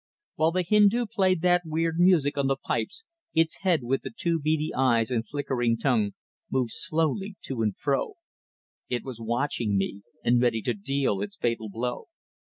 While the Hindu played that weird music on the pipes its head with the two beady eyes and flickering tongue, moved slowly to and fro. It was watching me and ready to deal its fatal blow.